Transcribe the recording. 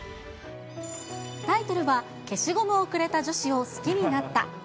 タイトルは、消しゴムをくれた女子を好きになった。